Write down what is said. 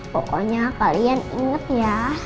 pokoknya kalian ingat ya